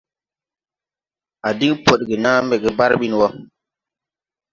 A din podge na mbɛ ge barbin wo?